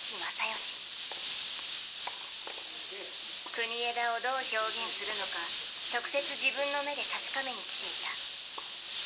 国枝をどう表現するのか直接自分の目で確かめに来ていた。